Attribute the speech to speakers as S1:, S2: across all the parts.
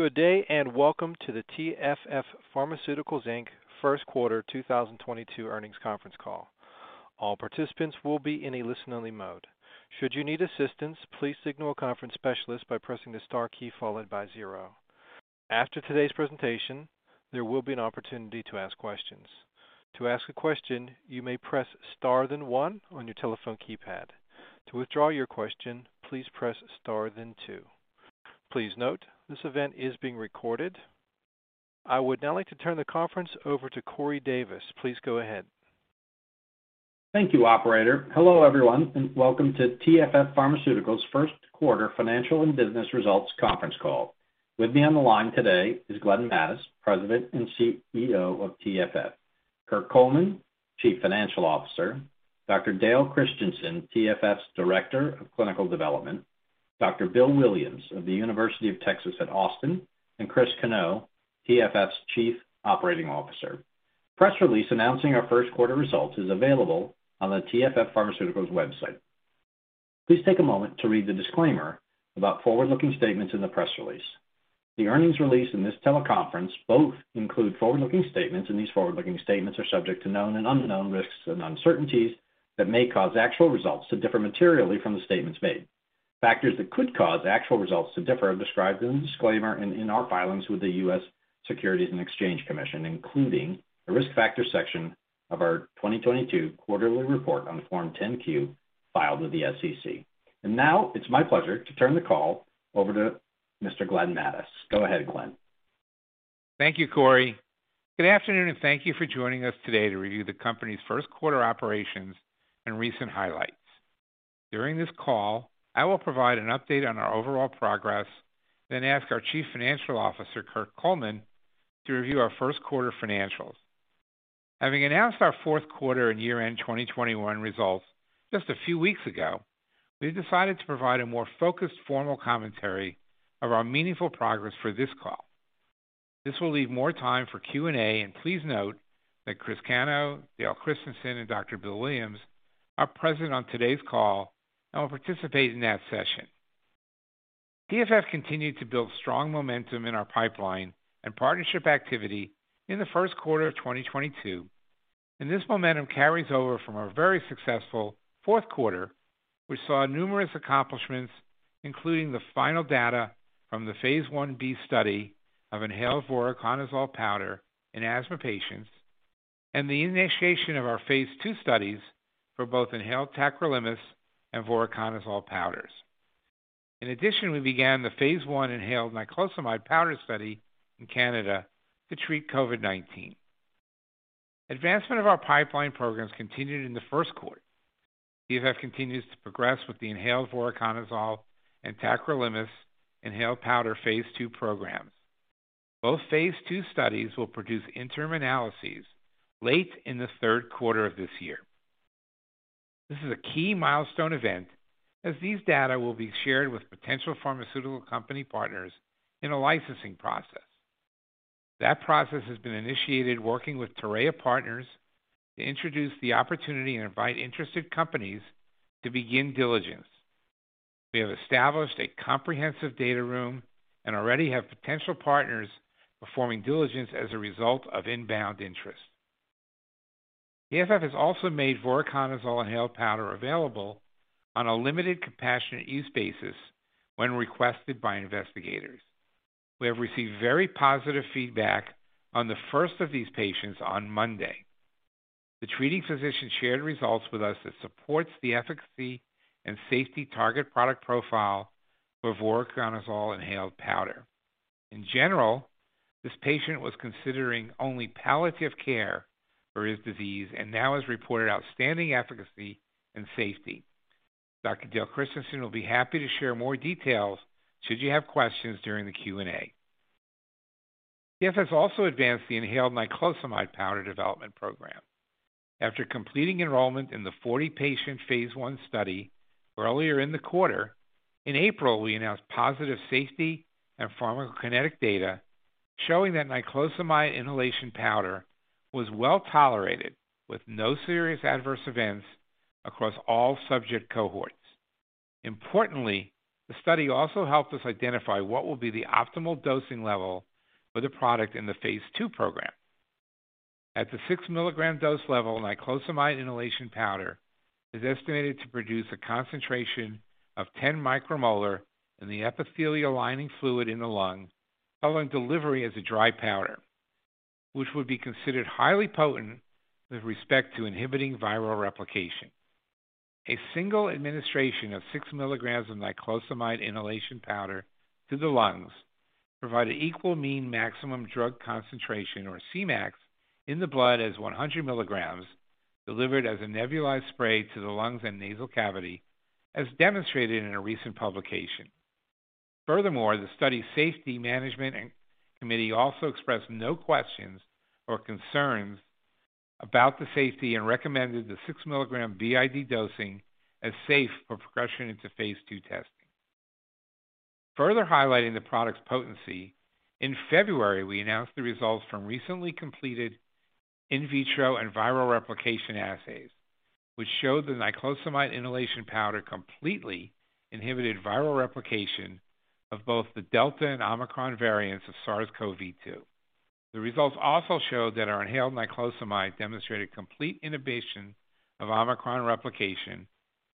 S1: Good day, and welcome to the TFF Pharmaceuticals, Inc. first quarter 2022 earnings conference call. All participants will be in a listen-only mode. Should you need assistance, please signal a conference specialist by pressing the star key followed by zero. After today's presentation, there will be an opportunity to ask questions. To ask a question, you may press star then one on your telephone keypad. To withdraw your question, please press star then two. Please note, this event is being recorded. I would now like to turn the conference over to Corey Davis. Please go ahead.
S2: Thank you, operator. Hello, everyone, and welcome to TFF Pharmaceuticals first quarter financial and business results conference call. With me on the line today is Glenn Mattes, President and CEO of TFF, Kirk Coleman, Chief Financial Officer, Dr. Dale Christensen, TFF's Director of Clinical Development, Dr. Bill Williams of the University of Texas at Austin, and Chris Cano, TFF's Chief Operating Officer. Press release announcing our first quarter results is available on the TFF Pharmaceuticals website. Please take a moment to read the disclaimer about forward-looking statements in the press release. The earnings release and this teleconference both include forward-looking statements, and these forward-looking statements are subject to known and unknown risks and uncertainties that may cause actual results to differ materially from the statements made. Factors that could cause actual results to differ are described in the disclaimer in our filings with the U.S. Securities and Exchange Commission, including the Risk Factors section of our 2022 quarterly report on Form 10-Q filed with the SEC. Now it's my pleasure to turn the call over to Mr. Glenn Mattes. Go ahead, Glenn.
S3: Thank you, Corey. Good afternoon, and thank you for joining us today to review the company's first quarter operations and recent highlights. During this call, I will provide an update on our overall progress, then ask our Chief Financial Officer, Kirk Coleman, to review our first quarter financials. Having announced our fourth quarter and year-end 2021 results just a few weeks ago, we've decided to provide a more focused formal commentary of our meaningful progress for this call. This will leave more time for Q&A, and please note that Chris Cano, Dale Christensen, and Dr. Bill Williams are present on today's call and will participate in that session. TFF continued to build strong momentum in our pipeline and partnership activity in the first quarter of 2022, and this momentum carries over from our very successful fourth quarter, which saw numerous accomplishments, including the final data from the phase I-B study of inhaled voriconazole powder in asthma patients, and the initiation of our phase II studies for both inhaled tacrolimus and voriconazole powders. In addition, we began the phase I inhaled niclosamide powder study in Canada to treat COVID-19. Advancement of our pipeline programs continued in the first quarter. TFF continues to progress with the inhaled voriconazole and tacrolimus inhaled powder phase II programs. Both phase II studies will produce interim analyses late in the third quarter of this year. This is a key milestone event as these data will be shared with potential pharmaceutical company partners in a licensing process. That process has been initiated working with Torreya Partners to introduce the opportunity and invite interested companies to begin diligence. We have established a comprehensive data room and already have potential partners performing diligence as a result of inbound interest. TFF has also made voriconazole inhaled powder available on a limited compassionate use basis when requested by investigators. We have received very positive feedback on the first of these patients on Monday. The treating physician shared results with us that supports the efficacy and safety target product profile of voriconazole inhaled powder. In general, this patient was considering only palliative care for his disease, and now has reported outstanding efficacy and safety. Dr. Dale Christensen will be happy to share more details should you have questions during the Q&A. TFF has also advanced the inhaled niclosamide powder development program. After completing enrollment in the 40-patient phase I study earlier in the quarter, in April, we announced positive safety and pharmacokinetic data showing that niclosamide inhalation powder was well-tolerated with no serious adverse events across all subject cohorts. Importantly, the study also helped us identify what will be the optimal dosing level for the product in the phase II program. At the 6-mg dose level, niclosamide inhalation powder is estimated to produce a concentration of 10 micromolar in the epithelial lining fluid in the lung following delivery as a dry powder, which would be considered highly potent with respect to inhibiting viral replication. A single administration of 6 mg of niclosamide inhalation powder to the lungs provide an equal mean maximum drug concentration or Cmax in the blood as 100 milligrams delivered as a nebulized spray to the lungs and nasal cavity, as demonstrated in a recent publication. Furthermore, the study safety management committee also expressed no questions or concerns about the safety and recommended the 6-mg BID dosing as safe for progression into phase II testing. Further highlighting the product's potency, in February, we announced the results from recently completed in vitro and viral replication assays, which show the niclosamide inhalation powder completely inhibited viral replication of both the Delta and Omicron variants of SARS-CoV-2. The results also show that our inhaled niclosamide demonstrated complete inhibition of Omicron replication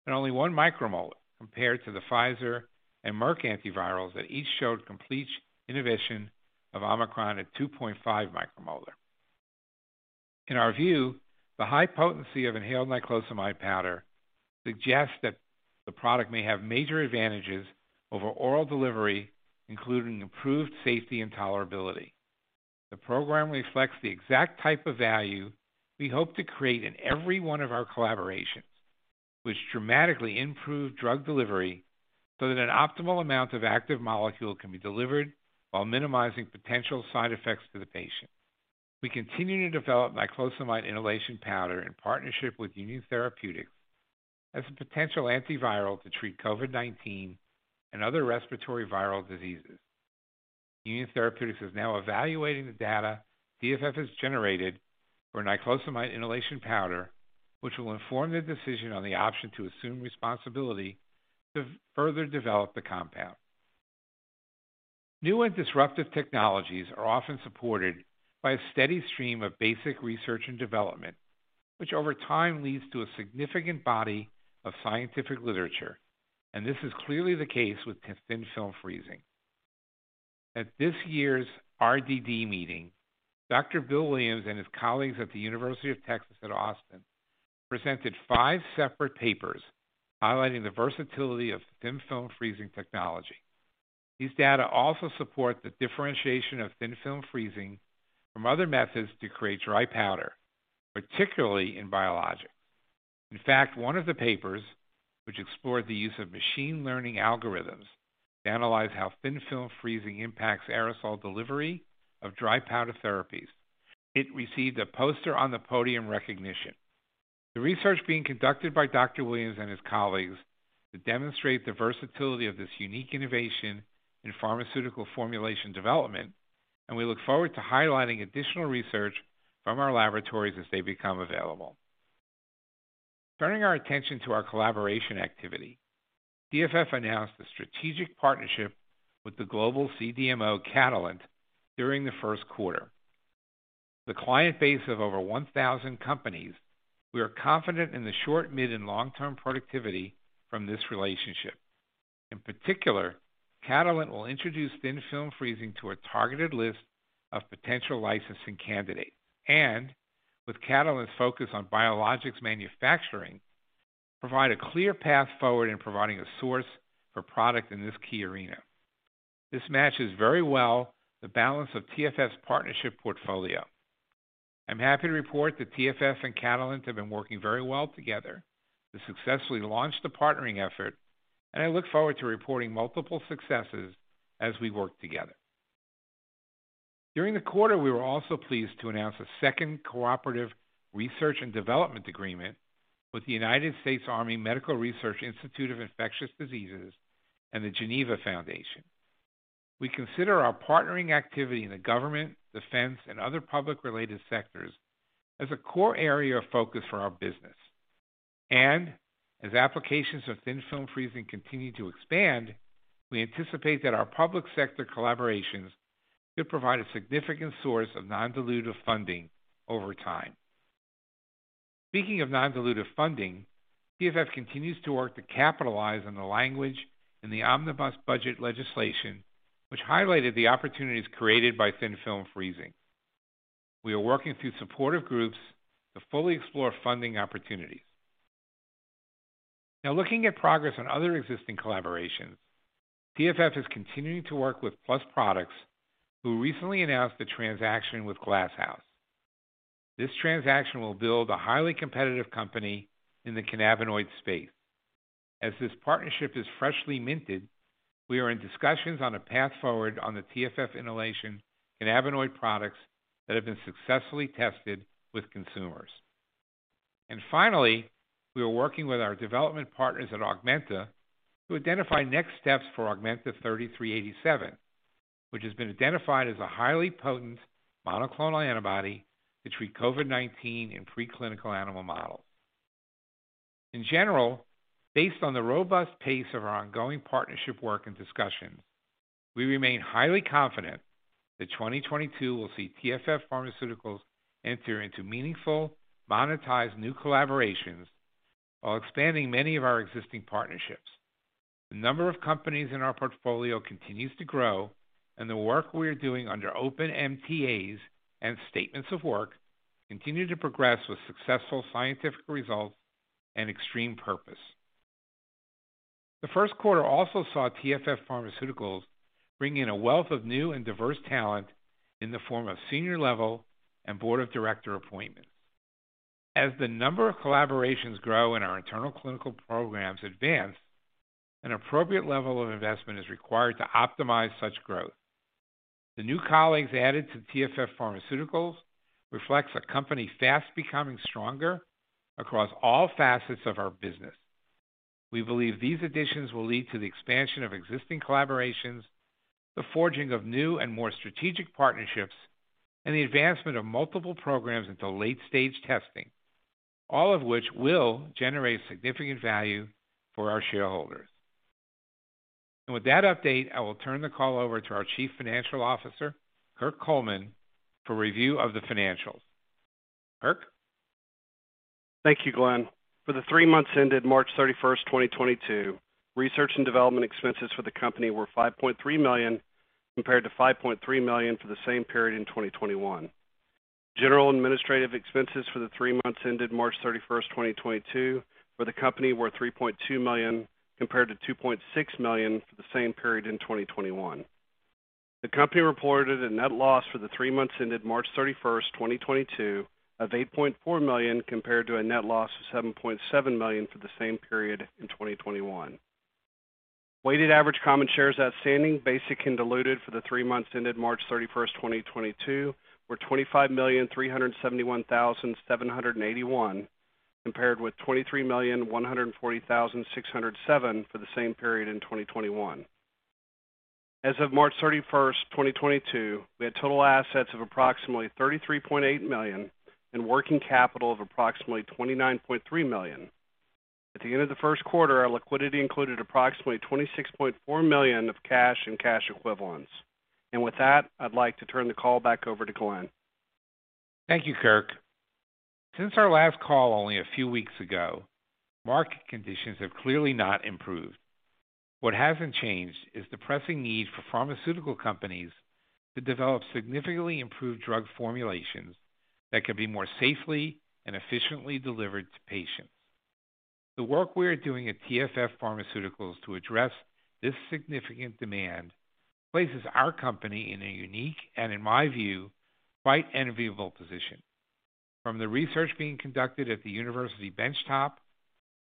S3: at only 1 micromolar compared to the Pfizer and Merck antivirals that each showed complete inhibition of Omicron at 2.5 micromolar. In our view, the high potency of inhaled niclosamide powder suggests that the product may have major advantages over oral delivery, including improved safety and tolerability. The program reflects the exact type of value we hope to create in every one of our collaborations, which dramatically improve drug delivery so that an optimal amount of active molecule can be delivered while minimizing potential side effects to the patient. We continue to develop niclosamide inhalation powder in partnership with Union Therapeutics as a potential antiviral to treat COVID-19 and other respiratory viral diseases. Union Therapeutics is now evaluating the data TFF has generated for niclosamide inhalation powder, which will inform their decision on the option to assume responsibility to further develop the compound. New and disruptive technologies are often supported by a steady stream of basic research and development, which over time leads to a significant body of scientific literature, and this is clearly the case with Thin Film Freezing. At this year's RDD meeting, Dr. Bill Williams and his colleagues at the University of Texas at Austin presented five separate papers highlighting the versatility of Thin Film Freezing technology. These data also support the differentiation of Thin Film Freezing from other methods to create dry powder, particularly in biologics. In fact, one of the papers, which explored the use of machine learning algorithms to analyze how Thin Film Freezing impacts aerosol delivery of dry powder therapies, it received a Poster on the Podium recognition. The research being conducted by Dr. Williams and his colleagues demonstrate the versatility of this unique innovation in pharmaceutical formulation development, and we look forward to highlighting additional research from our laboratories as they become available. Turning our attention to our collaboration activity, TFF announced a strategic partnership with the global CDMO Catalent during the first quarter. The client base of over 1,000 companies, we are confident in the short, mid, and long-term productivity from this relationship. In particular, Catalent will introduce Thin Film Freezing to a targeted list of potential licensing candidates and, with Catalent's focus on biologics manufacturing, provide a clear path forward in providing a source for product in this key arena. This matches very well the balance of TFF's partnership portfolio. I'm happy to report that TFF and Catalent have been working very well together to successfully launch the partnering effort, and I look forward to reporting multiple successes as we work together. During the quarter, we were also pleased to announce a second cooperative research and development agreement with the United States Army Medical Research Institute of Infectious Diseases and the Geneva Foundation. We consider our partnering activity in the government, defense, and other public-related sectors as a core area of focus for our business. As applications of Thin Film Freezing continue to expand, we anticipate that our public sector collaborations could provide a significant source of non-dilutive funding over time. Speaking of non-dilutive funding, TFF continues to work to capitalize on the language in the omnibus budget legislation, which highlighted the opportunities created by Thin Film Freezing. We are working through supportive groups to fully explore funding opportunities. Now looking at progress on other existing collaborations, TFF is continuing to work with PLUS Products, who recently announced a transaction with Glass House. This transaction will build a highly competitive company in the cannabinoid space. As this partnership is freshly minted, we are in discussions on a path forward on the TFF inhalation cannabinoid products that have been successfully tested with consumers. Finally, we are working with our development partners at Augmenta to identify next steps for Augmenta 3387, which has been identified as a highly potent monoclonal antibody to treat COVID-19 in preclinical animal models. In general, based on the robust pace of our ongoing partnership work and discussions, we remain highly confident that 2022 will see TFF Pharmaceuticals enter into meaningful, monetized new collaborations while expanding many of our existing partnerships. The number of companies in our portfolio continues to grow, and the work we are doing under open MTAs and statements of work continue to progress with successful scientific results and extreme purpose. The first quarter also saw TFF Pharmaceuticals bring in a wealth of new and diverse talent in the form of senior level and board of director appointments. As the number of collaborations grow and our internal clinical programs advance, an appropriate level of investment is required to optimize such growth. The new colleagues added to TFF Pharmaceuticals reflects a company fast becoming stronger across all facets of our business. We believe these additions will lead to the expansion of existing collaborations, the forging of new and more strategic partnerships, and the advancement of multiple programs into late-stage testing, all of which will generate significant value for our shareholders. With that update, I will turn the call over to our Chief Financial Officer, Kirk Coleman, for review of the financials. Kirk?
S4: Thank you, Glenn. For the three months ended March 31st, 2022, research and development expenses for the company were $5.3 million, compared to $5.3 million for the same period in 2021. General administrative expenses for the three months ended March 31st, 2022 for the company were $3.2 million, compared to $2.6 million for the same period in 2021. The company reported a net loss for the three months ended March 31st, 2022 of $8.4 million, compared to a net loss of $7.7 million for the same period in 2021. Weighted average common shares outstanding, basic and diluted for the three months ended March 31st, 2022 were $25,371,781, compared with $23,140,607 for the same period in 2021. As of March 31st, 2022, we had total assets of approximately $33.8 million and working capital of approximately $29.3 million. At the end of the first quarter, our liquidity included approximately $26.4 million of cash and cash equivalents. With that, I'd like to turn the call back over to Glenn.
S3: Thank you, Kirk. Since our last call only a few weeks ago, market conditions have clearly not improved. What hasn't changed is the pressing need for pharmaceutical companies to develop significantly improved drug formulations that can be more safely and efficiently delivered to patients. The work we're doing at TFF Pharmaceuticals to address this significant demand places our company in a unique and, in my view, quite enviable position. From the research being conducted at the university bench top,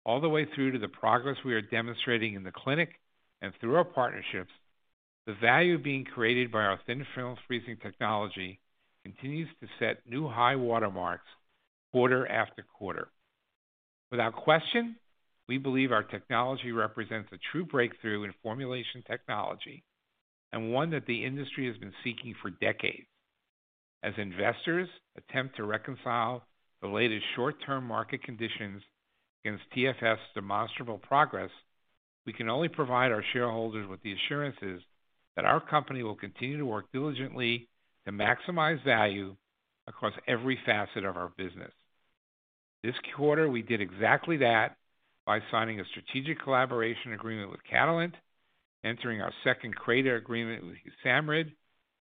S3: all the way through to the progress we are demonstrating in the clinic and through our partnerships, the value being created by our Thin Film Freezing technology continues to set new high water marks quarter after quarter. Without question, we believe our technology represents a true breakthrough in formulation technology, and one that the industry has been seeking for decades. As investors attempt to reconcile the latest short-term market conditions against TFF's demonstrable progress, we can only provide our shareholders with the assurances that our company will continue to work diligently to maximize value across every facet of our business. This quarter, we did exactly that by signing a strategic collaboration agreement with Catalent, entering our second CRADA agreement with USAMRIID,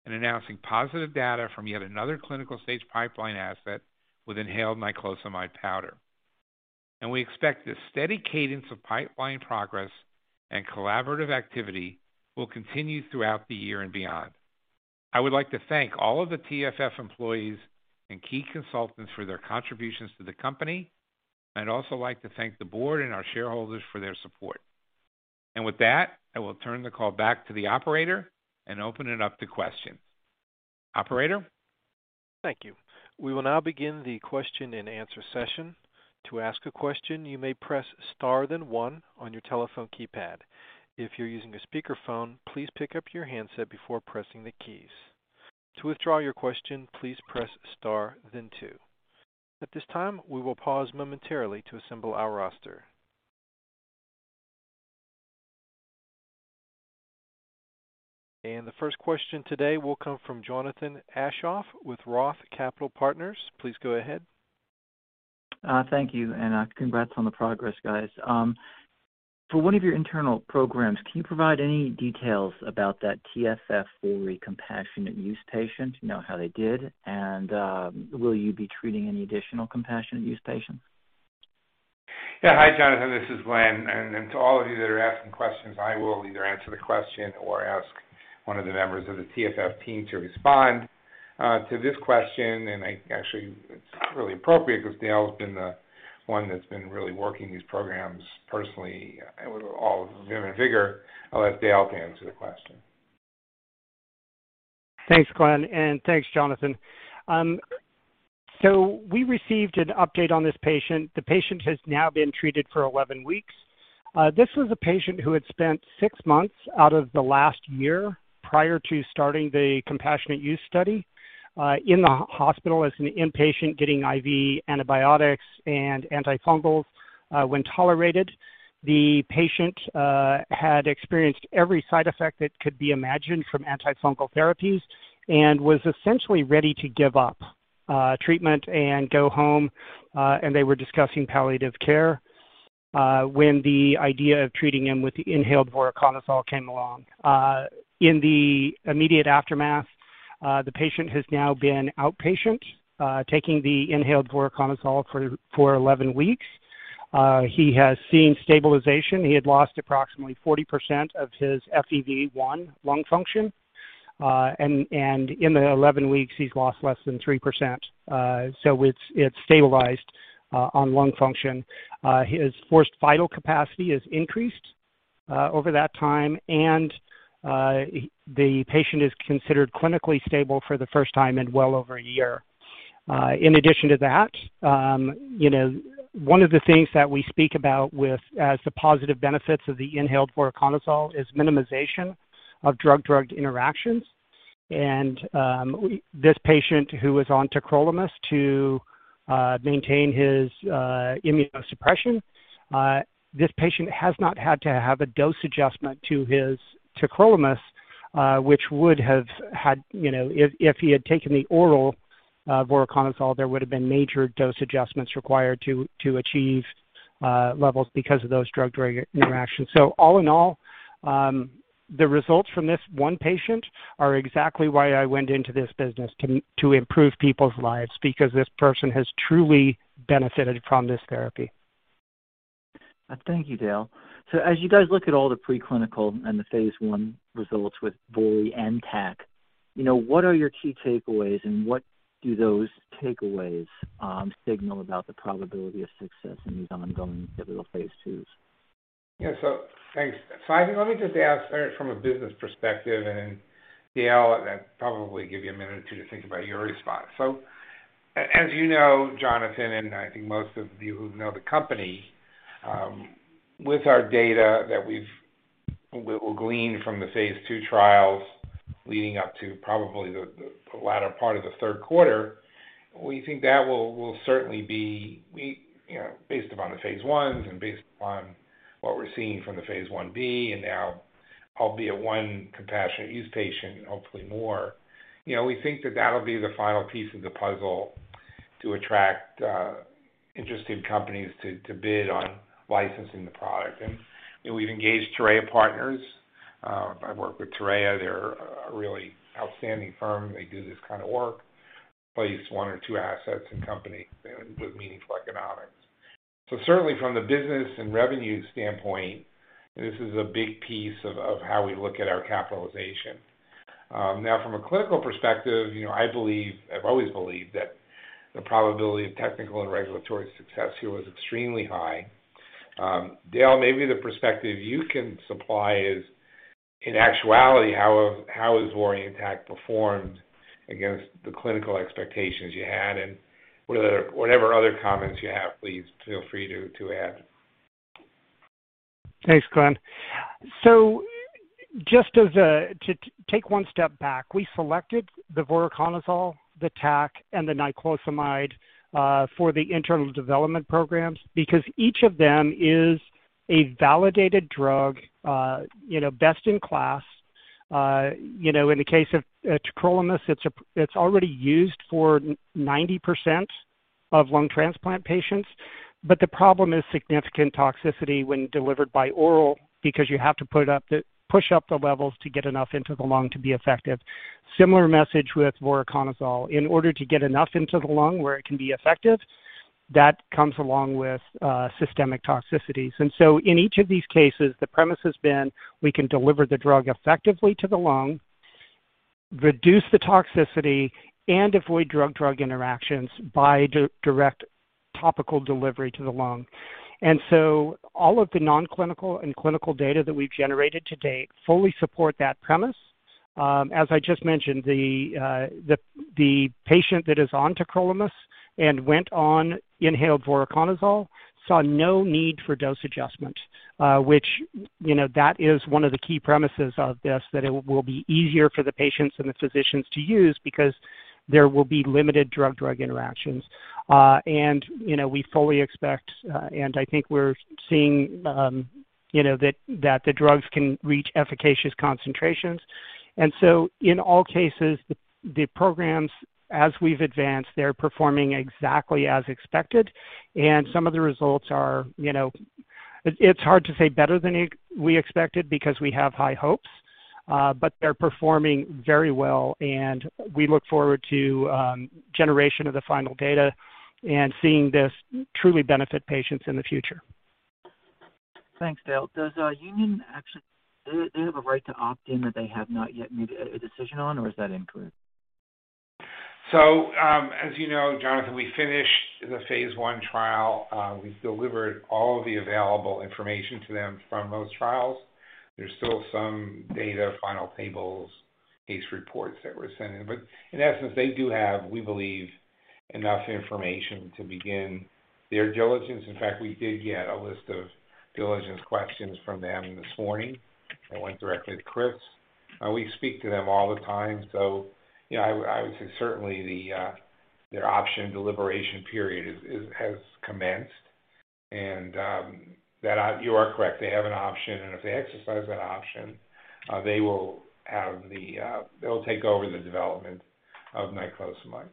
S3: and announcing positive data from yet another clinical stage pipeline asset with inhaled niclosamide powder. We expect this steady cadence of pipeline progress and collaborative activity will continue throughout the year and beyond. I would like to thank all of the TFF employees and key consultants for their contributions to the company. I'd also like to thank the board and our shareholders for their support. With that, I will turn the call back to the operator and open it up to questions. Operator?
S1: Thank you. We will now begin the question and answer session. To ask a question, you may press star then one on your telephone keypad. If you're using a speakerphone, please pick up your handset before pressing the keys. To withdraw your question, please press star then two. At this time, we will pause momentarily to assemble our roster. The first question today will come from Jonathan Aschoff with Roth Capital Partners. Please go ahead.
S5: Thank you, and congrats on the progress, guys. For one of your internal programs, can you provide any details about that TFF VORI for a compassionate use patient, you know, how they did? Will you be treating any additional compassionate use patients?
S3: Yeah. Hi, Jonathan. This is Glenn. To all of you that are asking questions, I will either answer the question or ask one of the members of the TFF team to respond to this question. Actually, it's really appropriate 'cause Dale's been the one that's been really working these programs personally with all of his vigor. I'll let Dale to answer the question.
S6: Thanks, Glenn, and thanks, Jonathan. We received an update on this patient. The patient has now been treated for 11 weeks. This was a patient who had spent six months out of the last year prior to starting the compassionate use study, in the hospital as an inpatient getting IV antibiotics and antifungals, when tolerated. The patient had experienced every side effect that could be imagined from antifungal therapies and was essentially ready to give up treatment and go home, and they were discussing palliative care, when the idea of treating him with the inhaled voriconazole came along. In the immediate aftermath, the patient has now been outpatient, taking the inhaled voriconazole for 11 weeks. He has seen stabilization. He had lost approximately 40% of his FEV1 lung function. In the 11 weeks, he's lost less than 3%. so it's stabilized on lung function. His forced vital capacity has increased over that time, and the patient is considered clinically stable for the first time in well over a year. In addition to that, you know, one of the things that we speak about with as the positive benefits of the inhaled voriconazole is minimization of drug-drug interactions. This patient who was on tacrolimus to maintain his immunosuppression, this patient has not had to have a dose adjustment to his tacrolimus, which would have had, you know, if he had taken the oral voriconazole, there would've been major dose adjustments required to achieve levels because of those drug-drug interactions. All in all, the results from this one patient are exactly why I went into this business, to improve people's lives, because this person has truly benefited from this therapy.
S5: Thank you, Dale. As you guys look at all the preclinical and the phase I results with VORI and TAC, you know, what are your key takeaways, and what do those takeaways signal about the probability of success in these ongoing pivotal phase IIs?
S3: Yeah, thanks. I think let me just answer it from a business perspective, and then Dale, that'll probably give you a minute or two to think about your response. As you know, Jonathan, and I think most of you who know the company, with our data that we'll glean from the phase II trials leading up to probably the latter part of the third quarter, we think that will certainly be, you know, based upon the phase Is and based upon what we're seeing from the phase I-B, and now albeit one compassionate use patient and hopefully more, you know, we think that that'll be the final piece of the puzzle to attract interesting companies to bid on licensing the product. You know, we've engaged Torreya Partners. I've worked with Torreya. They're a really outstanding firm. They do this kind of work. Place one or two assets in company and with meaningful economics. Certainly from the business and revenue standpoint, this is a big piece of how we look at our capitalization. Now from a clinical perspective, you know, I believe, I've always believed that the probability of technical and regulatory success here was extremely high. Dale, maybe the perspective you can supply is, in actuality, how has VORI and TAC performed against the clinical expectations you had? Whatever other comments you have, please feel free to add.
S6: Thanks, Glenn. Just to take one step back, we selected the voriconazole, the TAC, and the niclosamide for the internal development programs because each of them is a validated drug, you know, best in class. You know, in the case of tacrolimus, it's already used for 90% of lung transplant patients. The problem is significant toxicity when delivered by oral because you have to push up the levels to get enough into the lung to be effective. Similar message with voriconazole. In order to get enough into the lung where it can be effective, that comes along with systemic toxicities. In each of these cases, the premise has been we can deliver the drug effectively to the lung, reduce the toxicity, and avoid drug-drug interactions by direct topical delivery to the lung. All of the non-clinical and clinical data that we've generated to date fully support that premise. As I just mentioned, the patient that is on tacrolimus and went on inhaled voriconazole saw no need for dose adjustment, which, you know, that is one of the key premises of this, that it will be easier for the patients and the physicians to use because there will be limited drug-drug interactions. You know, we fully expect, and I think we're seeing, you know, that the drugs can reach efficacious concentrations. In all cases, the programs as we've advanced, they're performing exactly as expected, and some of the results are, you know. It's hard to say better than we expected because we have high hopes, but they're performing very well, and we look forward to generation of the final data and seeing this truly benefit patients in the future.
S5: Thanks, Dale. Do they have a right to opt in that they have not yet made a decision on, or is that included?
S3: As you know, Jonathan, we finished the phase I trial. We've delivered all of the available information to them from those trials. There's still some data, final tables, case reports that we're sending. In essence, they do have, we believe, enough information to begin their diligence. In fact, we did get a list of diligence questions from them this morning that went directly to Chris. We speak to them all the time, so, you know, I would say certainly their option deliberation period has commenced. You are correct. They have an option, and if they exercise that option, they'll take over the development of niclosamide.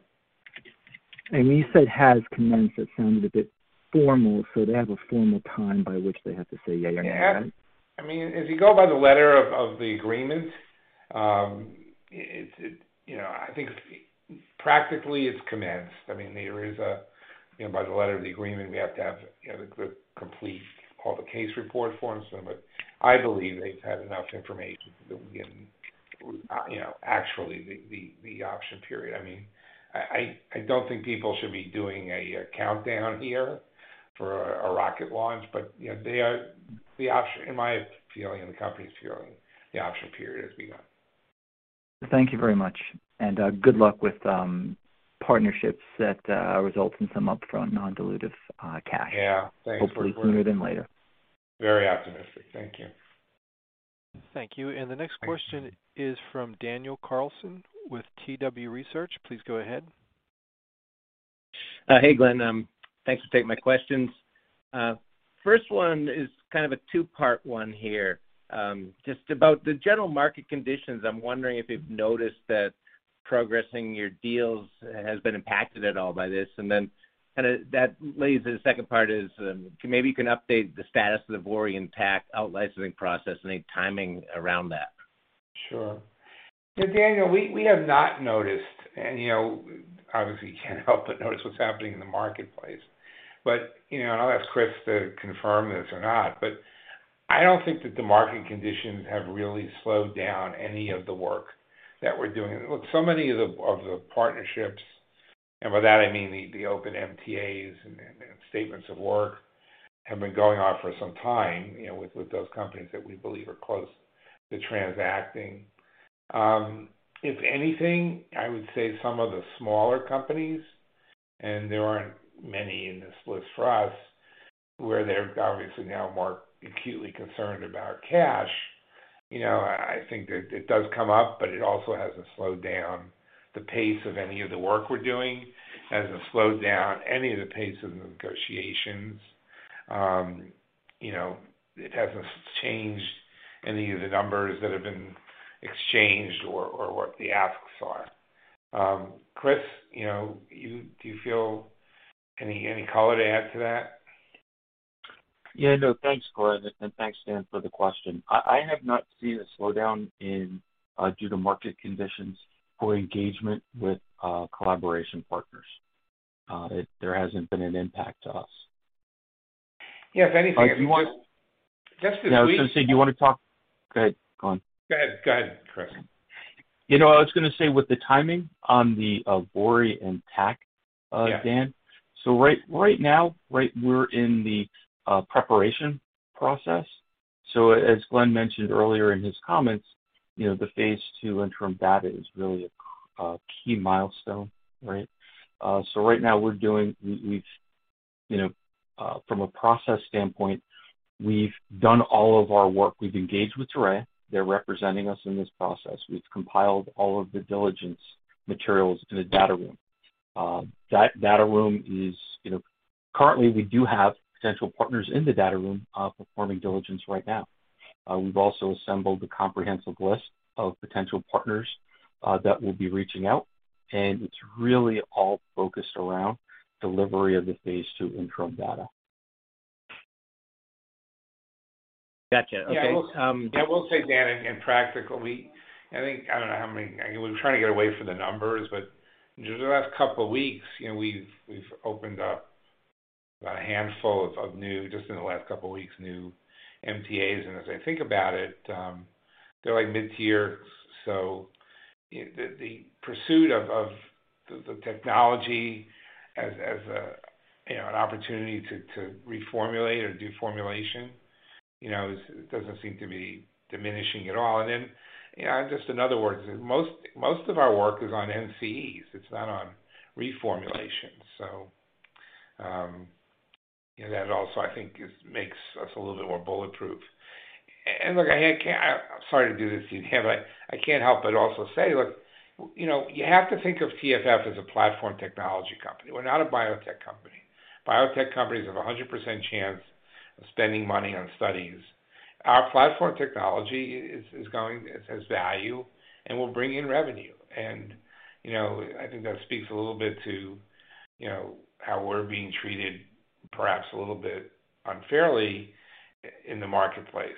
S5: When you said has commenced, that sounded a bit formal, so they have a formal time by which they have to say yay or nay, right?
S3: Yeah. I mean, if you go by the letter of the agreement. You know, I think practically, it's commenced. You know, by the letter of the agreement, we have to complete all the case report forms, but I believe they've had enough information to begin, you know, actually the option period. I mean, I don't think people should be doing a countdown here for a rocket launch, but, you know, in my feeling and the company's feeling, the option period has begun.
S5: Thank you very much, and good luck with partnerships that results in some upfront non-dilutive cash.
S3: Yeah. Thanks, Chris.
S5: Hopefully sooner than later.
S3: Very optimistic. Thank you.
S1: Thank you. The next question is from Daniel Carlson with TW Research. Please go ahead.
S7: Hey, Glenn. Thanks for taking my questions. First one is kind of a two-part one here. Just about the general market conditions, I'm wondering if you've noticed that progressing your deals has been impacted at all by this? Kinda that leads to the second part is, maybe you can update the status of the VORI and TAC out-licensing process. Any timing around that?
S3: Sure. Daniel, we have not noticed, and you know, obviously you can't help but notice what's happening in the marketplace. You know, and I'll ask Chris to confirm this or not, but I don't think that the market conditions have really slowed down any of the work that we're doing. Look, so many of the partnerships, and by that I mean the open MTAs and statements of work, have been going on for some time, you know, with those companies that we believe are close to transacting. If anything, I would say some of the smaller companies, and there aren't many in this list for us, where they're obviously now more acutely concerned about cash. You know, I think that it does come up, but it also hasn't slowed down the pace of any of the work we're doing. It hasn't slowed down any of the pace of the negotiations. You know, it hasn't changed any of the numbers that have been exchanged or what the asks are. Chris, you know, do you feel any color to add to that?
S8: Yeah, no, thanks, Glenn, and thanks, Dan, for the question. I have not seen a slowdown due to market conditions for engagement with collaboration partners. There hasn't been an impact to us.
S3: Yeah, if anything.
S8: Uh, you want-
S3: Just this week.
S8: I was gonna say, do you wanna talk. Go ahead, Glenn.
S3: Go ahead. Go ahead, Chris.
S8: You know, I was gonna say, with the timing on the VORI and TAC, Dan.
S7: Yeah.
S8: Right now, we're in the preparation process. As Glenn mentioned earlier in his comments, you know, the phase II interim data is really a key milestone, right? Right now, from a process standpoint, we've done all of our work. We've engaged with Torreya. They're representing us in this process. We've compiled all of the diligence materials in a data room. That data room is currently. We do have potential partners in the data room performing diligence right now. We've also assembled a comprehensive list of potential partners that we'll be reaching out, and it's really all focused around delivery of the phase II interim data.
S7: Gotcha. Okay.
S3: Yeah, I will say, Dan, and practically, I think, I don't know how many. I mean, we're trying to get away from the numbers, but just in the last couple of weeks, you know, we've opened up about a handful of new MTAs. As I think about it, they're like mid-tier, so the pursuit of the technology as a, you know, an opportunity to reformulate or do formulation, you know, it doesn't seem to be diminishing at all. Then, you know, just in other words, most of our work is on NCEs. It's not on reformulation. So, you know, that also, I think, makes us a little bit more bulletproof. Look, I'm sorry to do this to you, Dan, but I can't help but also say, look, you know, you have to think of TFF as a platform technology company. We're not a biotech company. Biotech companies have a 100% chance of spending money on studies. Our platform technology is going, it has value, and will bring in revenue. You know, I think that speaks a little bit to, you know, how we're being treated perhaps a little bit unfairly in the marketplace.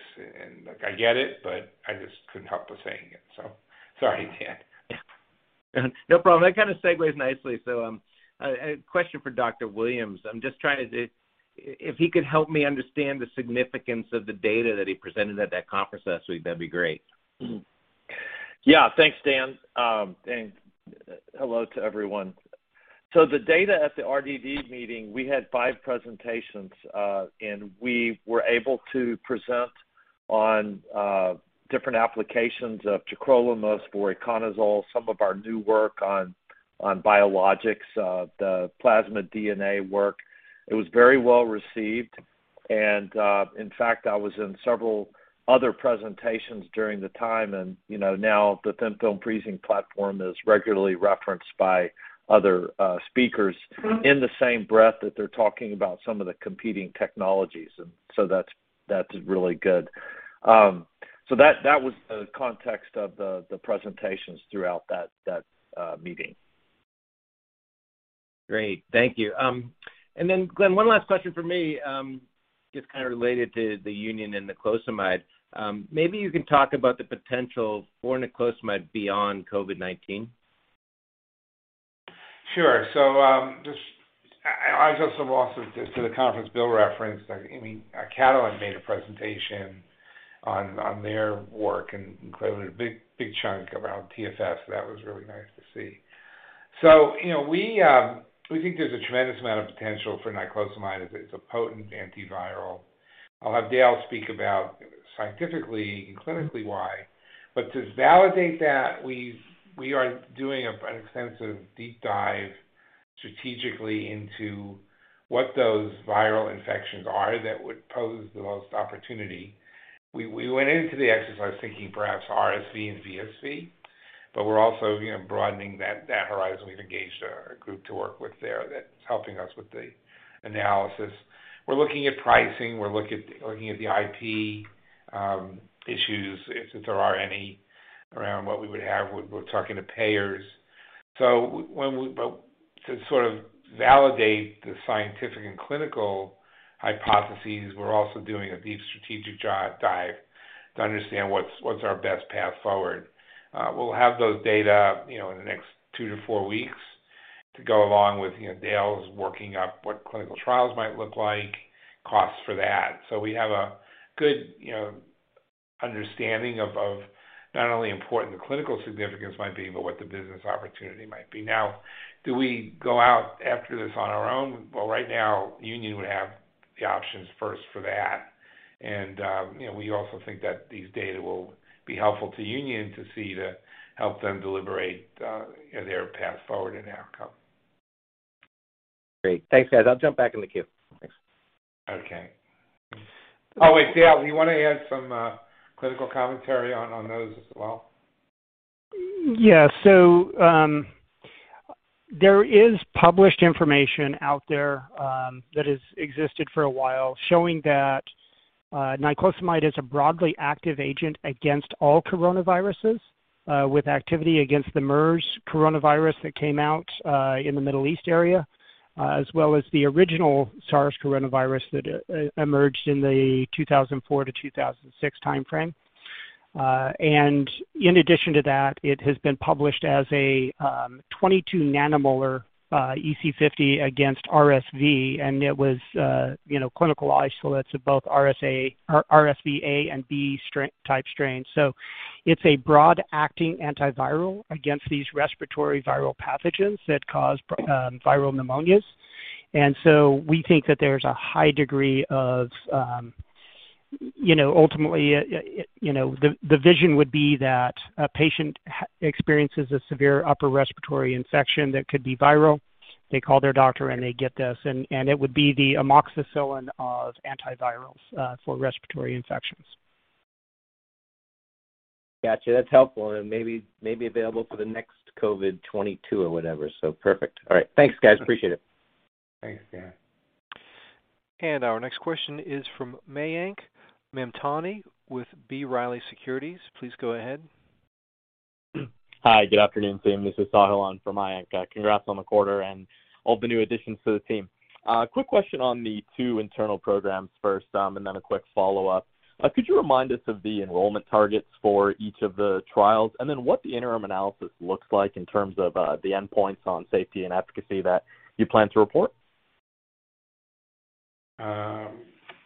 S3: Look, I get it, but I just couldn't help but saying it. Sorry, Dan.
S7: No problem. That kinda segues nicely. A question for Dr. Williams. If he could help me understand the significance of the data that he presented at that conference last week, that'd be great.
S9: Yeah. Thanks, Dan. Hello to everyone. The data at the RDD meeting, we had five presentations, and we were able to present on different applications of tacrolimus, voriconazole, some of our new work on biologics, the plasma DNA work. It was very well-received. In fact, I was in several other presentations during the time and, you know, now the Thin Film Freezing platform is regularly referenced by other speakers in the same breath that they're talking about some of the competing technologies. That's really good. That was the context of the presentations throughout that meeting.
S7: Great. Thank you. Glenn, one last question from me, just kinda related to the Union and niclosamide. Maybe you can talk about the potential for niclosamide beyond COVID-19.
S3: Sure. I just have also just to the conference Bill referenced. I mean, Catalent made a presentation on their work and included a big chunk around TFF, so that was really nice to see. You know, we think there's a tremendous amount of potential for niclosamide as it's a potent antiviral. I'll have Dale speak about scientifically and clinically why. To validate that, we are doing an extensive deep dive strategically into what those viral infections are that would pose the most opportunity. We went into the exercise thinking perhaps RSV and VSV, but we're also, you know, broadening that horizon. We've engaged a group to work with there that's helping us with the analysis. We're looking at pricing, we're looking at the IP issues if there are any around what we would have. We're talking to payers. But to sort of validate the scientific and clinical hypotheses, we're also doing a deep strategic dive to understand what's our best path forward. We'll have those data, you know, in the next 2-4 weeks to go along with, you know, Dale's working up what clinical trials might look like, costs for that. We have a good, you know, understanding of not only important the clinical significance might be, but what the business opportunity might be. Now, do we go out after this on our own? Well, right now, Union would have the options first for that. You know, we also think that these data will be helpful to Union to see, to help them deliberate, you know, their path forward and outcome.
S7: Great. Thanks, guys. I'll jump back in the queue. Thanks.
S3: Okay. Oh, wait, Dale, do you wanna add some clinical commentary on those as well?
S6: Yeah. There is published information out there that has existed for a while showing that niclosamide is a broadly active agent against all coronaviruses with activity against the MERS coronavirus that came out in the Middle East area as well as the original SARS coronavirus that emerged in the 2004-2006 timeframe. In addition to that, it has been published as a 22 nanomolar EC50 against RSV, and it was clinical isolates of both RSVA and B strain-type strains. It's a broad-acting antiviral against these respiratory viral pathogens that cause viral pneumonias. We think that there's a high degree of, you know, ultimately, you know, the vision would be that a patient experiences a severe upper respiratory infection that could be viral. They call their doctor, and they get this, and it would be the amoxicillin of antivirals, for respiratory infections.
S7: Gotcha. That's helpful. Maybe available for the next COVID-22 or whatever. Perfect. All right. Thanks, guys. Appreciate it.
S3: Thanks, Dan.
S1: Our next question is from Mayank Mamtani with B. Riley Securities. Please go ahead.
S10: Hi, good afternoon, team. This is Sahil from Mayank. Congrats on the quarter and all the new additions to the team. Quick question on the two internal programs first, and then a quick follow-up. Could you remind us of the enrollment targets for each of the trials, and then what the interim analysis looks like in terms of, the endpoints on safety and efficacy that you plan to report?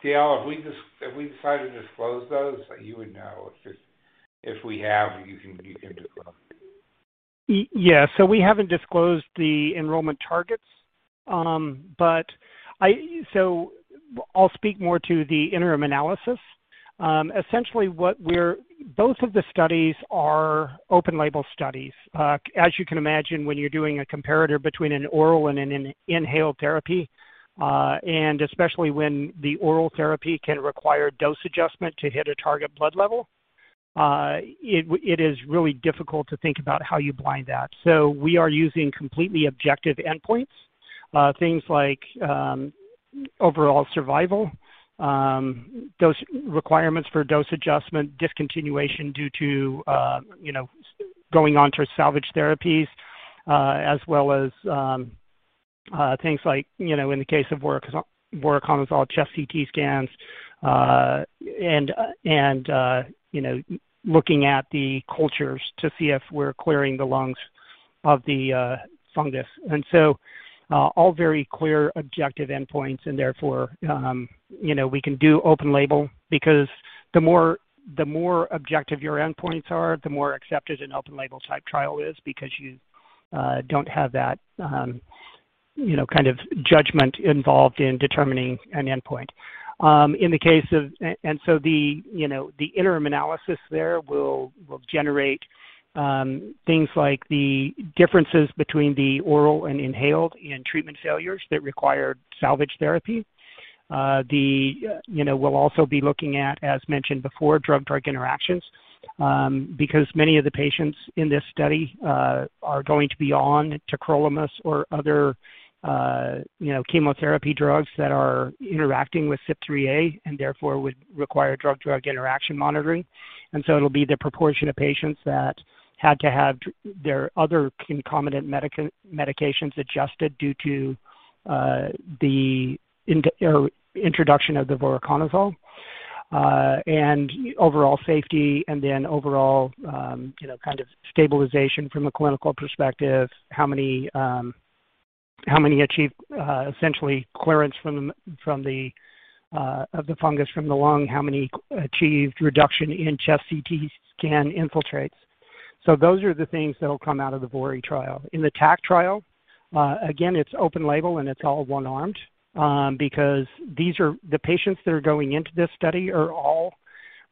S3: Dale, have we decided to disclose those? You would know. If we have, you can disclose.
S6: Yes. We haven't disclosed the enrollment targets. I'll speak more to the interim analysis. Essentially, both of the studies are open label studies. As you can imagine, when you're doing a comparator between an oral and an inhaled therapy, and especially when the oral therapy can require dose adjustment to hit a target blood level, it is really difficult to think about how you blind that. We are using completely objective endpoints, things like overall survival, dose requirements for dose adjustment, discontinuation due to you know going on to salvage therapies, as well as things like you know in the case of voriconazole, chest CT scans, and you know looking at the cultures to see if we're clearing the lungs of the fungus. All very clear objective endpoints and therefore, you know, we can do open label because the more objective your endpoints are, the more accepted an open label type trial is because you don't have that, you know, kind of judgment involved in determining an endpoint. The interim analysis there will generate things like the differences between the oral and inhaled and treatment failures that require salvage therapy. You know, we'll also be looking at, as mentioned before, drug-drug interactions, because many of the patients in this study are going to be on tacrolimus or other, you know, chemotherapy drugs that are interacting with CYP3A and therefore would require drug-drug interaction monitoring. It'll be the proportion of patients that had to have their other concomitant medications adjusted due to the introduction of the voriconazole, and overall safety and then overall, you know, kind of stabilization from a clinical perspective, how many achieved essentially clearance of the fungus from the lung, how many achieved reduction in chest CT scan infiltrates. Those are the things that will come out of the VORI trial. In the TAC trial, again, it's open label, and it's all one-armed, because these are the patients that are going into this study are all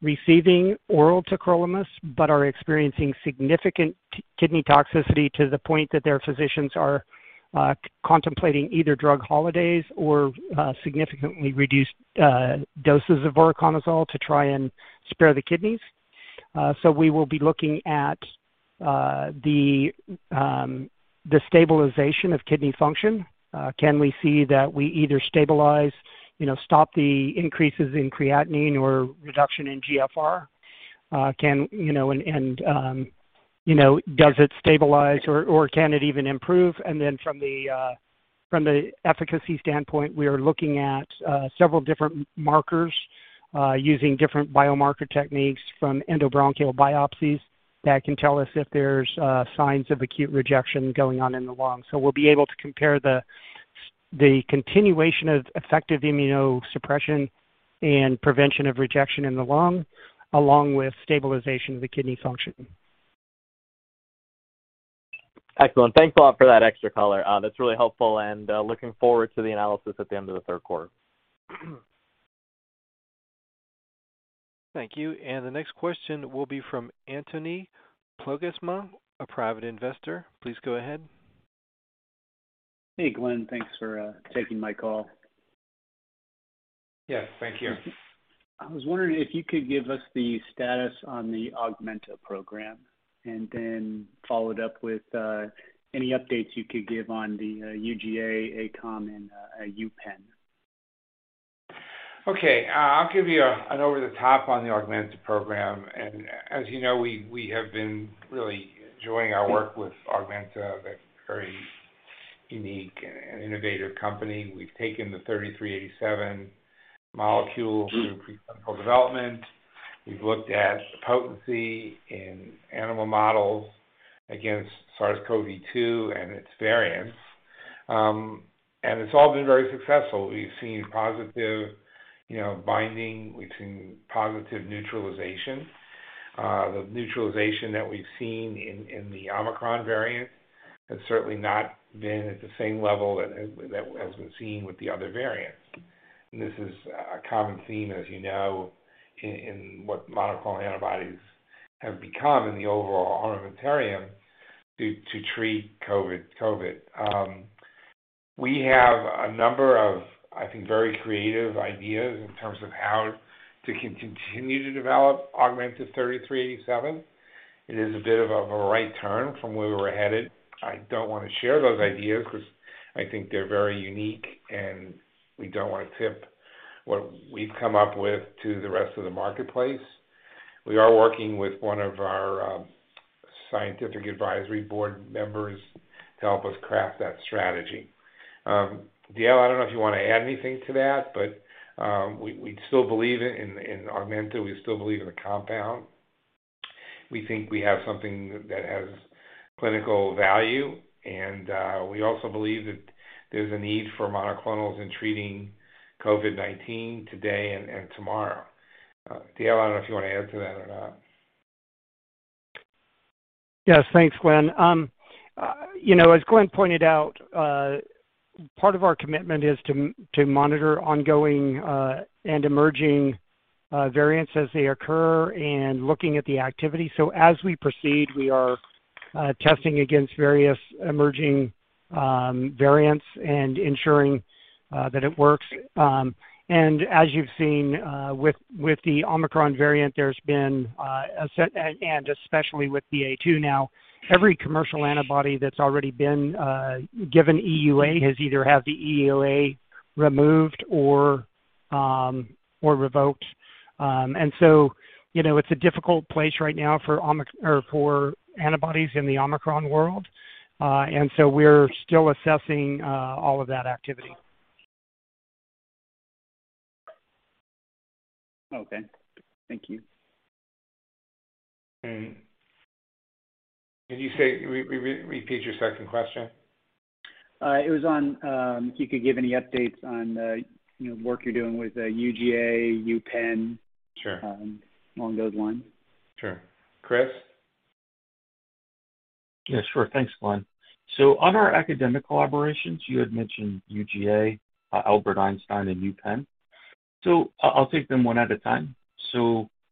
S6: receiving oral tacrolimus, but are experiencing significant kidney toxicity to the point that their physicians are contemplating either drug holidays or significantly reduced doses of voriconazole to try and spare the kidneys. We will be looking at the stabilization of kidney function. Can we see that we either stabilize, you know, stop the increases in creatinine or reduction in GFR? Does it stabilize or can it even improve? From the efficacy standpoint, we are looking at several different markers using different biomarker techniques from endobronchial biopsies that can tell us if there's signs of acute rejection going on in the lung. We'll be able to compare the continuation of effective immunosuppression and prevention of rejection in the lung, along with stabilization of the kidney function.
S10: Excellent. Thanks a lot for that extra color. That's really helpful, and looking forward to the analysis at the end of the third quarter.
S1: Thank you. The next question will be from Anthony Plokappa, a private investor. Please go ahead.
S11: Hey, Glenn. Thanks for taking my call.
S3: Yeah. Thank you.
S11: I was wondering if you could give us the status on the Augmenta program, and then follow it up with any updates you could give on the UGA, [inaudible] and UPenn.
S3: I'll give you an overview on the Augmenta program. As you know, we have been really enjoying our work with Augmenta. They're a very unique and innovative company. We've taken the 3387 molecule through pre-clinical development. We've looked at the potency in animal models against SARS-CoV-2 and its variants. It's all been very successful. We've seen positive, you know, binding. We've seen positive neutralization. The neutralization that we've seen in the Omicron variant has certainly not been at the same level that has been seen with the other variants. This is a common theme, as you know, in what monoclonal antibodies have become in the overall armamentarium to treat COVID. We have a number of, I think, very creative ideas in terms of how to continue to develop Augmenta 3387. It is a bit of a right turn from where we're headed. I don't wanna share those ideas 'cause I think they're very unique, and we don't wanna tip what we've come up with to the rest of the marketplace. We are working with one of our scientific advisory board members to help us craft that strategy. Dale, I don't know if you wanna add anything to that, but we still believe in Augmenta. We still believe in the compound. We think we have something that has clinical value, and we also believe that there's a need for monoclonals in treating COVID-19 today and tomorrow. Dale, I don't know if you wanna add to that or not.
S6: Yes. Thanks, Glenn. You know, as Glenn pointed out, part of our commitment is to monitor ongoing and emerging variants as they occur and looking at the activity. As we proceed, we are testing against various emerging variants and ensuring that it works. As you've seen with the Omicron variant, there's been a setback, and especially with BA.2 now, every commercial antibody that's already been given EUA has either had the EUA removed or revoked. You know, it's a difficult place right now for antibodies in the Omicron world. We're still assessing all of that activity.
S11: Okay. Thank you.
S3: Can you repeat your second question?
S11: It was on if you could give any updates on, you know, work you're doing with UGA, UPenn?
S3: Sure.
S11: Along those lines.
S3: Sure. Chris?
S8: Yeah, sure. Thanks, Glenn. On our academic collaborations, you had mentioned UGA, Albert Einstein, and UPenn. I'll take them one at a time.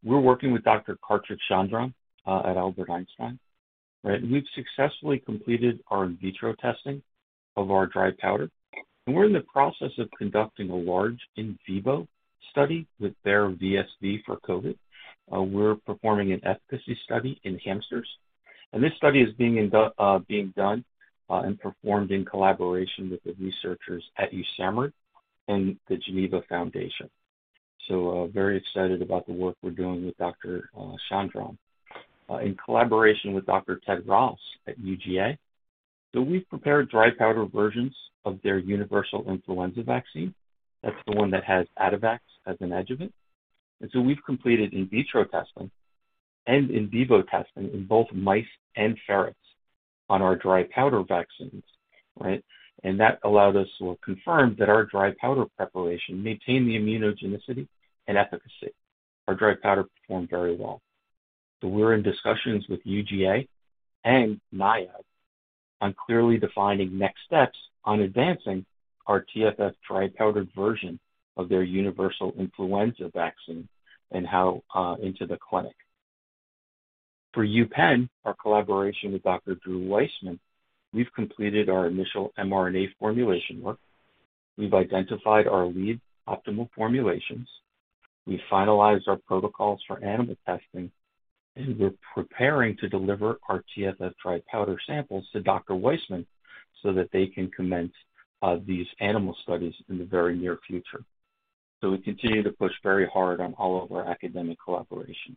S8: We're working with Dr. Karthik Chandran at Albert Einstein, right? We've successfully completed our in vitro testing of our dry powder, and we're in the process of conducting a large in vivo study with their VSV for COVID. We're performing an efficacy study in hamsters, and this study is being done and performed in collaboration with the researchers at USAMRIID and The Geneva Foundation. Very excited about the work we're doing with Dr. Chandran. In collaboration with Dr. Ted Ross at UGA. We've prepared dry powder versions of their universal influenza vaccine. That's the one that has Advax as an adjuvant. We've completed in vitro testing and in vivo testing in both mice and ferrets on our dry powder vaccines, right? That allowed us or confirmed that our dry powder preparation maintained the immunogenicity and efficacy. Our dry powder performed very well. We're in discussions with UGA and NIAID on clearly defining next steps on advancing our TFF dry powdered version of their universal influenza vaccine and how into the clinic. For UPenn, our collaboration with Dr. Drew Weissman, we've completed our initial mRNA formulation work. We've identified our lead optimal formulations. We finalized our protocols for animal testing, and we're preparing to deliver our TFF dry powder samples to Dr. Weissman so that they can commence these animal studies in the very near future. We continue to push very hard on all of our academic collaborations.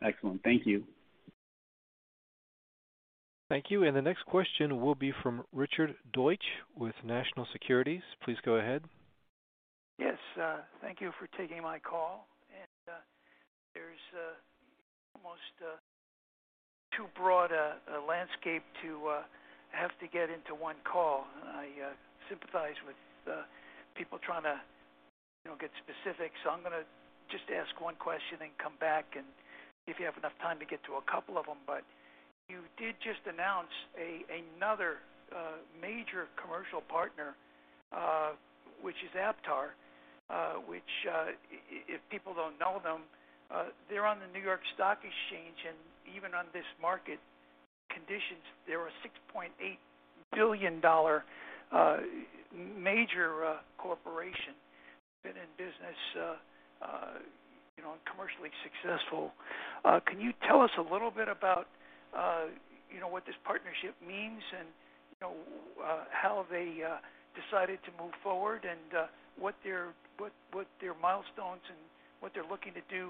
S11: Excellent. Thank you.
S1: Thank you. The next question will be from Richard Deutsch with National Securities. Please go ahead.
S12: Yes. Thank you for taking my call. There's almost too broad a landscape to have to get into one call. I sympathize with people trying to, you know, get specific. I'm gonna just ask one question and come back and see if you have enough time to get to a couple of them. You did just announce another major commercial partner, which is Aptar, which, if people don't know them, they're on the New York Stock Exchange, and even on this market conditions, they're a $6.8 billion major corporation. Been in business, you know, commercially successful. Can you tell us a little bit about, you know, what this partnership means and, you know, how they decided to move forward and, what their milestones and what they're looking to do,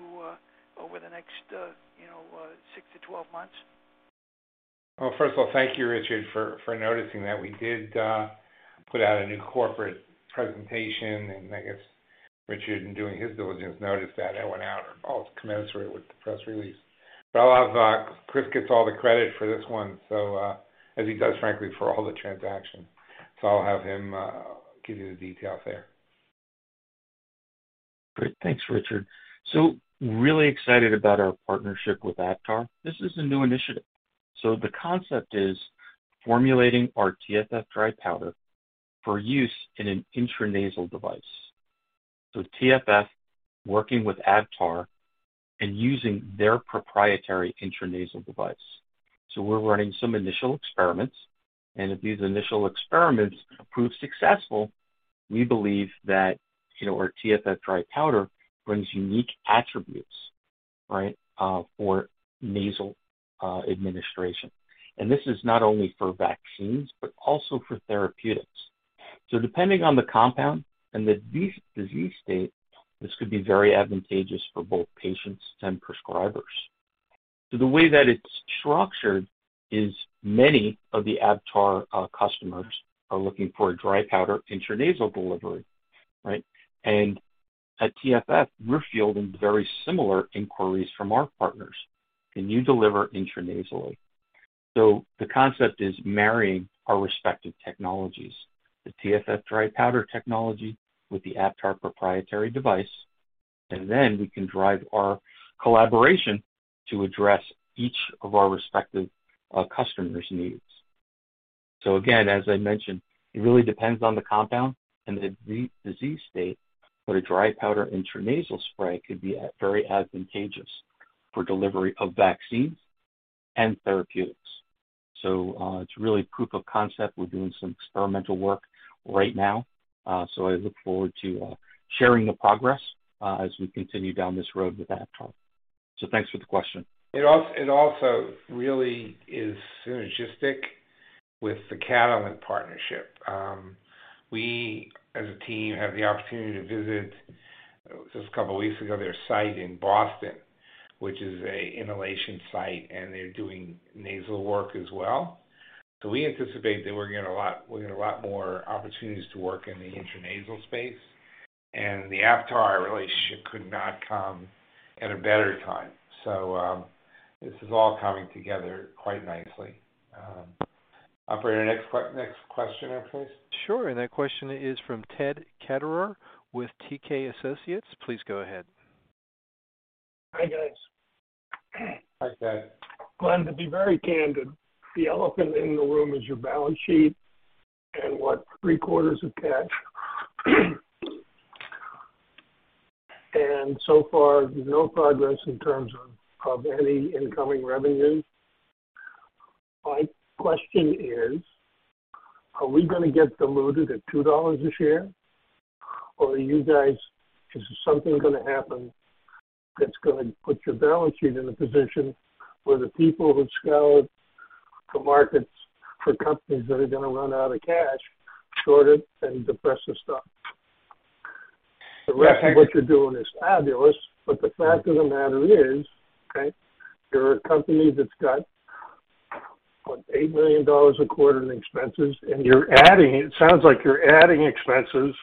S12: over the next, you know, 6-12 months?
S3: Well, first of all, thank you, Richard, for noticing that. We did put out a new corporate presentation, and I guess Richard, in doing his diligence, noticed that it went out all commensurate with the press release. I'll have Chris gets all the credit for this one, so, as he does, frankly, for all the transactions. I'll have him give you the details there.
S8: Great. Thanks, Richard. Really excited about our partnership with Aptar. This is a new initiative. The concept is formulating our TFF dry powder for use in an intranasal device. TFF working with Aptar and using their proprietary intranasal device. We're running some initial experiments, and if these initial experiments prove successful, we believe that, you know, our TFF dry powder brings unique attributes, right, for nasal administration. This is not only for vaccines, but also for therapeutics. Depending on the compound and the disease state, this could be very advantageous for both patients and prescribers. The way that it's structured is many of the Aptar customers are looking for a dry powder intranasal delivery, right? At TFF, we're fielding very similar inquiries from our partners. Can you deliver intranasally? The concept is marrying our respective technologies, the TFF dry powder technology with the Aptar proprietary device, and then we can drive our collaboration to address each of our respective, customers' needs. Again, as I mentioned, it really depends on the compound and the disease state, but a dry powder intranasal spray could be very advantageous for delivery of vaccines and therapeutics. It's really proof of concept. We're doing some experimental work right now, so I look forward to sharing the progress as we continue down this road with Aptar. Thanks for the question.
S3: It also really is synergistic with the Catalent partnership. We as a team had the opportunity to visit, just a couple weeks ago, their site in Boston, which is an inhalation site, and they're doing nasal work as well. We anticipate that we're getting a lot, we're getting a lot more opportunities to work in the intranasal space, and the Aptar relationship could not come at a better time. This is all coming together quite nicely. Operator, next questioner, please.
S1: Sure. That question is from Ted Ketterer with TK Associates. Please go ahead.
S13: Hi, guys.
S3: Hi, Ted.
S13: Glenn, to be very candid, the elephant in the room is your balance sheet and, what, three quarters of cash. So far, no progress in terms of any incoming revenue. My question is, are we gonna get diluted at $2 a share, or are you guys? Is something gonna happen that's gonna put your balance sheet in a position where the people who scour the markets for companies that are gonna run out of cash short it and depress the stock?
S3: Ted-
S13: The rest of what you're doing is fabulous, but the fact of the matter is, okay, you're a company that's got What, $8 million a quarter in expenses, and it sounds like you're adding expenses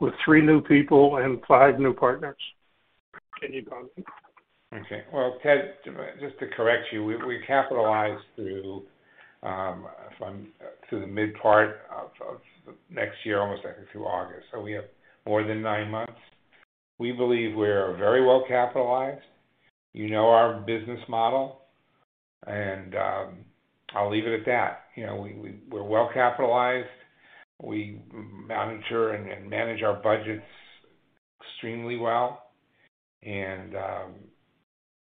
S13: with three new people and five new partners. Can you comment?
S3: Okay. Well, Ted, just to correct you, we capitalize through the mid part of next year, almost back through August. We have more than nine months. We believe we're very well capitalized. You know our business model, and I'll leave it at that. You know, we're well capitalized. We manage and manage our budgets extremely well.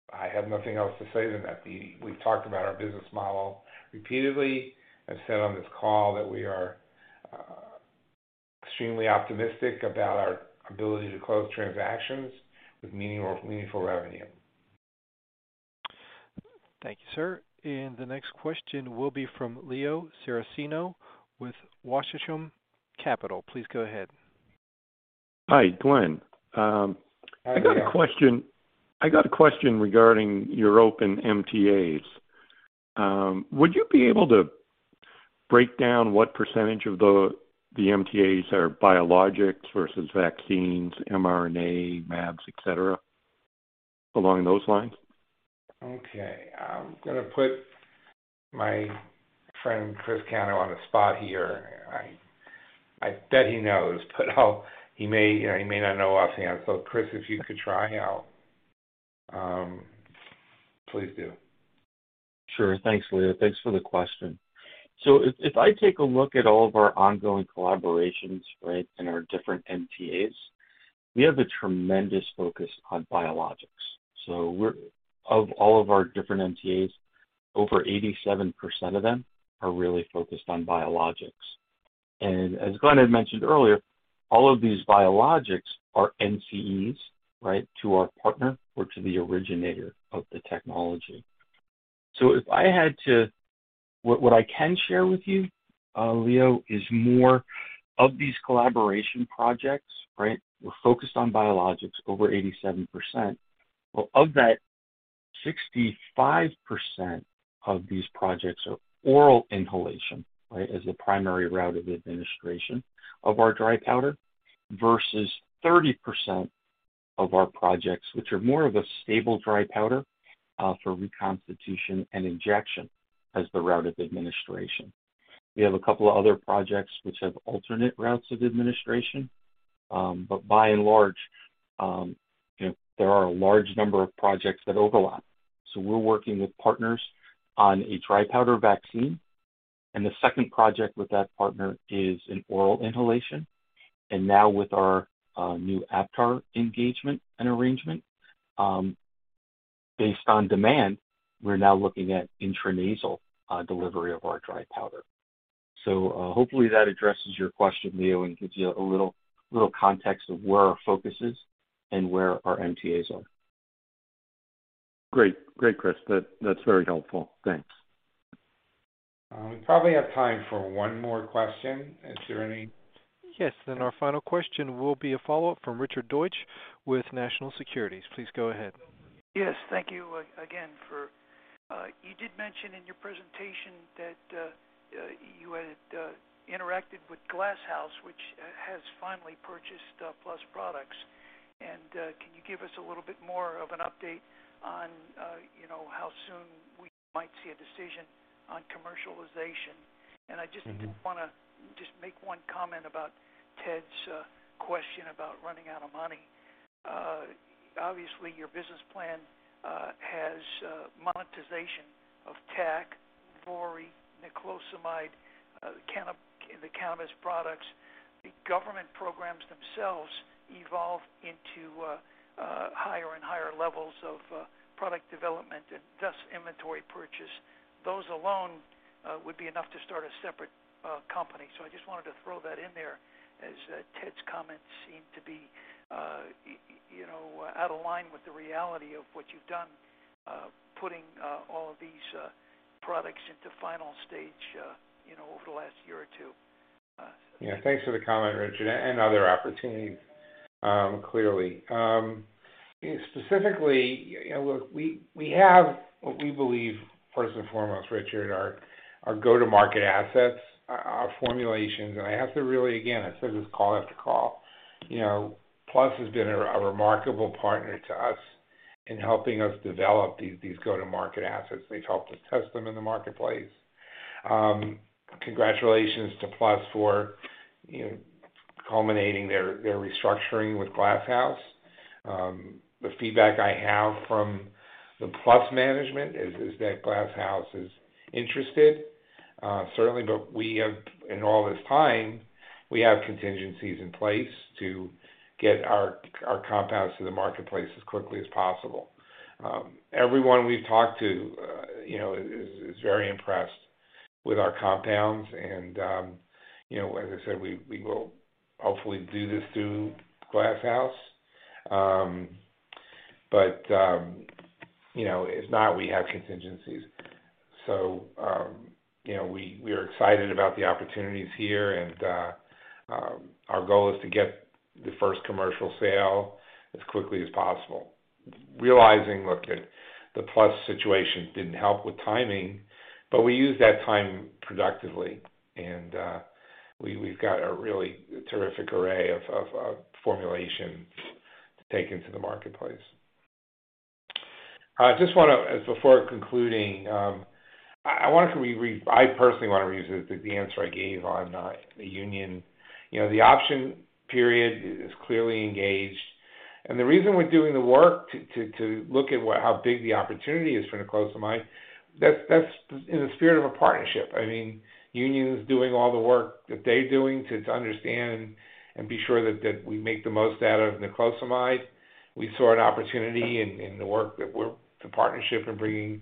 S3: I have nothing else to say than that. We've talked about our business model repeatedly. I've said on this call that we are extremely optimistic about our ability to close transactions with meaningful revenue.
S1: Thank you, sir. The next question will be from Leo Saraceno with Wasatch Front Capital. Please go ahead.
S14: Hi, Glenn. I got a question regarding your open MTAs. Would you be able to break down what percentage of the MTAs are biologics versus vaccines, mRNA, jabs, et cetera, along those lines?
S3: Okay. I'm gonna put my friend Chris Cano on the spot here. I bet he knows, but he may or he may not know offhand. Chris, if you could try out, please do.
S8: Sure. Thanks, Leo. Thanks for the question. If I take a look at all of our ongoing collaborations, right, and our different MTAs, we have a tremendous focus on biologics. Of all of our different MTAs, over 87% of them are really focused on biologics. As Glenn had mentioned earlier, all of these biologics are NCEs, right, to our partner or to the originator of the technology. What I can share with you, Leo, is more of these collaboration projects, right, we're focused on biologics over 87%. Well, of that 65% of these projects are oral inhalation, right, as the primary route of administration of our dry powder versus 30% of our projects, which are more of a stable dry powder, for reconstitution and injection as the route of administration. We have a couple of other projects which have alternate routes of administration. By and large, you know, there are a large number of projects that overlap. We're working with partners on a dry powder vaccine, and the second project with that partner is an oral inhalation. Now with our new Aptar engagement and arrangement, based on demand, we're now looking at intranasal delivery of our dry powder. Hopefully that addresses your question, Leo, and gives you a little context of where our focus is and where our MTAs are.
S14: Great. Great, Chris. That, that's very helpful. Thanks.
S3: We probably have time for one more question. Is there any-
S1: Yes. Our final question will be a follow-up from Richard Deutsch with National Securities. Please go ahead.
S12: Yes. Thank you again. You did mention in your presentation that you had interacted with Glass House, which has finally purchased PLUS Products. Can you give us a little bit more of an update on, you know, how soon we might see a decision on commercialization?
S3: Mm-hmm.
S12: I just did wanna just make one comment about Ted's question about running out of money. Obviously, your business plan has monetization of TAC, VORI, niclosamide, the cannabis products. The government programs themselves evolve into higher and higher levels of product development and thus inventory purchase. Those alone would be enough to start a separate company. I just wanted to throw that in there as Ted's comments seem to be, you know, out of line with the reality of what you've done, putting all of these products into final stage, you know, over the last year or two.
S3: Yeah. Thanks for the comment, Richard, and other opportunities, clearly. Specifically, you know, look, we have what we believe first and foremost, Richard, are go-to-market assets, formulations. I have to really, again, I say this call after call, you know, PLUS has been a remarkable partner to us in helping us develop these go-to-market assets. They've helped us test them in the marketplace. Congratulations to PLUS for culminating their restructuring with Glass House. The feedback I have from the PLUS management is that Glass House is interested, certainly, but we have in all this time, we have contingencies in place to get our compounds to the marketplace as quickly as possible. Everyone we've talked to, you know, is very impressed with our compounds. You know, as I said, we will hopefully do this through Glass House. You know, if not, we have contingencies. You know, we are excited about the opportunities here, and our goal is to get the first commercial sale as quickly as possible. Realizing, look at the PLUS Products situation didn't help with timing, but we used that time productively and we've got a really terrific array of formulations to take into the marketplace. I just wanna, before concluding, I want to re-re—I personally wanna reuse the answer I gave on the Union. You know, the option period is clearly engaged. The reason we're doing the work to look at how big the opportunity is for niclosamide, that's in the spirit of a partnership. I mean, Union's doing all the work that they're doing to understand and be sure that we make the most out of niclosamide. We saw an opportunity in the partnership in bringing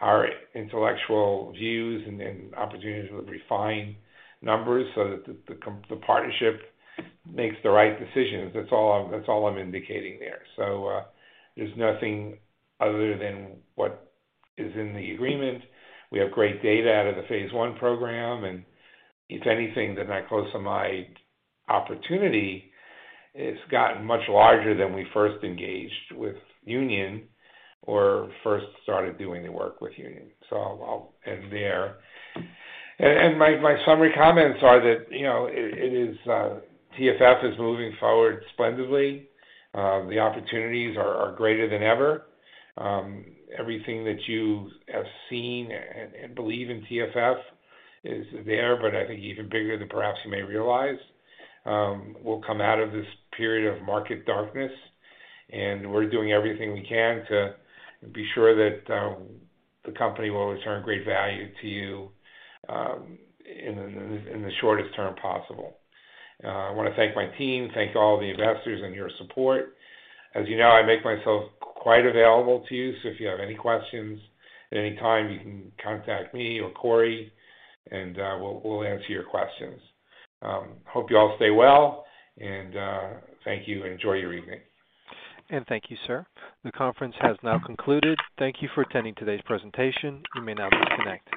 S3: our intellectual views and then opportunities with refined numbers so that the partnership makes the right decisions. That's all I'm indicating there. There's nothing other than what is in the agreement. We have great data out of the phase one program, and if anything, the niclosamide opportunity has gotten much larger than we first engaged with Union or first started doing the work with Union. I'll end there. My summary comments are that, you know, it is TFF is moving forward splendidly. The opportunities are greater than ever. Everything that you have seen and believe in TFF is there, but I think even bigger than perhaps you may realize will come out of this period of market darkness. We're doing everything we can to be sure that the company will return great value to you in the shortest term possible. I wanna thank my team, thank all the investors and your support. As you know, I make myself quite available to you, so if you have any questions at any time, you can contact me or Corey, and we'll answer your questions. Hope you all stay well, and thank you, and enjoy your evening.
S1: Thank you, sir. The conference has now concluded. Thank you for attending today's presentation. You may now disconnect.